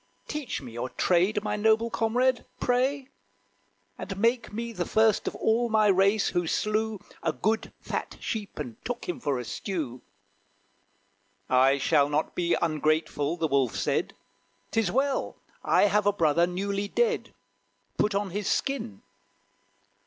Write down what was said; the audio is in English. Teach me your trade, my noble comrade, pray! Make me the first of all my race who slew A good fat sheep, and took him for a stew!" "I shall not be ungrateful," the Wolf said; "'Tis well, I have a brother newly dead; Put on his skin."